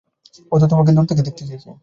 ও তোমাকে দূরে রাখতে চাইছে।